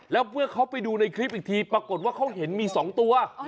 แล้วเมื่อเขาไปดูในคลิปอีกทีปรากฏว่าเขาเห็นมี๒ตัว